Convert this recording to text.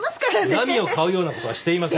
恨みを買うようなことはしていません。